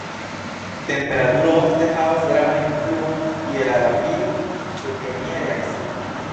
Temperaturo ofte havas gravan influon je la rapido de kemia reakcio.